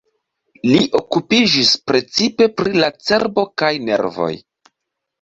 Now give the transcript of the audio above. Li okupiĝis precipe pri la cerbo kaj nervoj.